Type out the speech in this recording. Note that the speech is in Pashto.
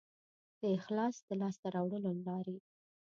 د اخلاص د لاسته راوړلو لارې